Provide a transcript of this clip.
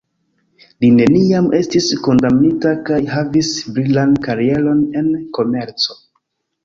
Li neniam estis kondamnita kaj havis brilan karieron en komerco.